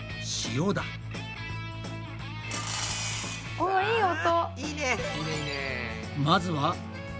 おっいい音。